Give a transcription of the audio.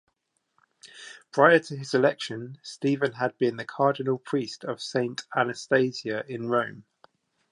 Prior to his election, Stephen had been the cardinal-priest of Saint Anastasia in Rome.